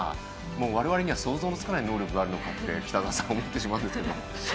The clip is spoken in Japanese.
我々には想像のつかない能力があるのかって北澤さん、思ってしまうんですが。